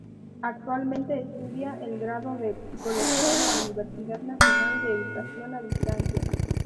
Actualmente estudia el Grado de Psicología por la Universidad Nacional de Educación a Distancia.